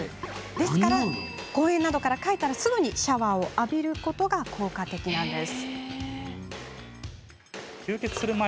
ですから、公園などから帰ったらすぐにシャワーを浴びることが効果的です。